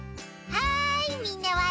はい。